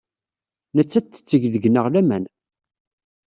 Nettat tetteg deg-neɣ laman.